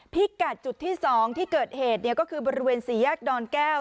พิกัดจุดที่๒ที่เกิดเหตุก็คือบริเวณสี่แยกดอนแก้ว